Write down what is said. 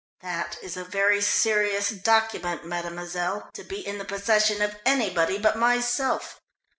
That is a very serious document, mademoiselle, to be in the possession of anybody but myself."